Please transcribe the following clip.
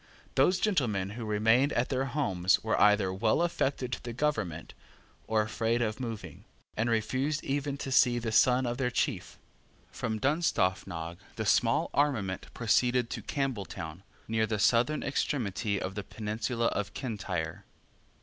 Those gentlemen who remained at their homes were either well affected to the government or afraid of moving, and refused even to see the son of their chief. From Dunstaffnage the small armament proceeded to Campbelltown, near the southern extremity of the peninsula of Kintyre.